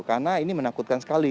karena ini menakutkan sekali